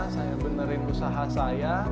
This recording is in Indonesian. saya benerin usaha saya